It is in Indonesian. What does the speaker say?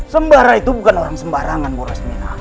sembara itu bukan orang sembarangan bu rosmina